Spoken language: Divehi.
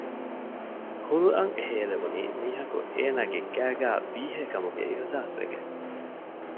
ހުލް އަށް ހޭލެވުނީ މީހަކު އޭނާގެ ގައިގައި ބީހޭ ކަމުގެ އިހުސާސްވެގެން